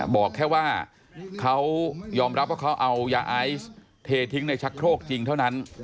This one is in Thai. บอกแค่ว่าเขายอมรับว่าเขาเอายาไอซ์เททิ้งในชักโครกจริงเท่านั้น